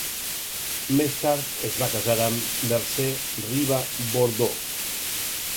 Més tard es va casar amb Mercè Riba Bordó.